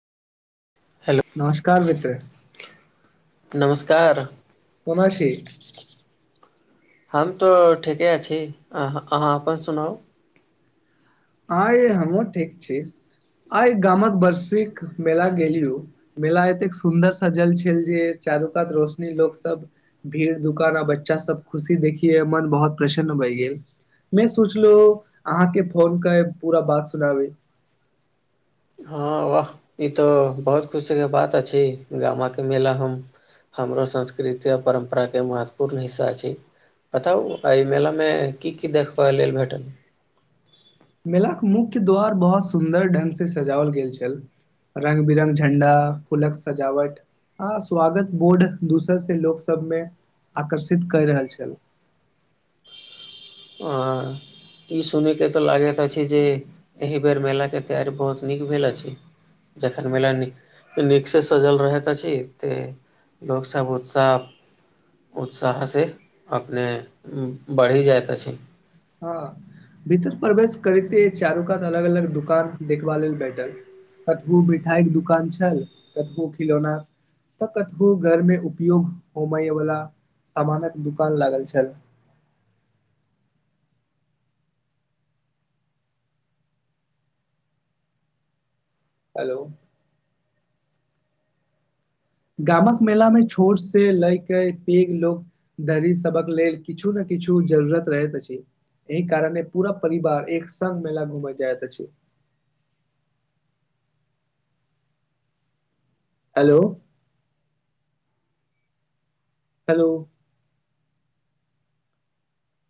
hello नमस्कार मित्र नमस्कार कोना छी हम तऽ ठीके छी अ अहाँ अपन सुनाउ आ हमहुँ ठीक छी आइ गामक वरषिक मेला गेलियो मेला एतेक सुन्दर सजल छल जे चारू कात रोशनी लोक सब भीड़ दुकान आ बच्चा सब खुशी देखियए मन बहुत प्रसन्न भैे गेल में सोचलहु अहाँके फोन के पूरा बात सुनाबै हँ वाह ई तो बहुत खुश के बात अछि गामा के मेला हम हमरो संस्कृति आओ परम्पराके महत्वपूर्ण हिस्सा छी बताउ अय मेला मे की की देखबा लेल भेटल मेलाक के मुख्य द्वार बहुत सुन्दर ढंग से सजाओल गेल छल रंग बिरंगक झण्डा फूलक सजावट आ स्वागत बोर्ड दोसर से लोक सबमे आकर्षित कर रहल छल अं ई सुनिकेतऽ लागैत अछि जे एहि बेर मेलाक के तैयारी बहुत नीक भेल अछि जखन मिल नीक से सजल रहैत अछि त लोकसब उत्सव उत्साह से अपने बढ़ि जाइत छै हँ भीतर प्रवेश करते चारू कात अलग अलग दुकान देखबा लेल बैठल कतहु मिठाइ के दुकान छल कतहु खिलौना तऽ कतहु घर में उपयोग होमेय वाला सामानक दुकान लागल छल हेलो गामक मेला मे छोट से लैके पेघ लोको दरी सभक लेल किछु ने किछु जरूरत रहैत अछि एहि कारने पूरा परिवार एक संगमेला घुमय जायत अछि हेलो हेलो